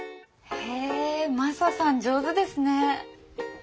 へえマサさん上手ですね。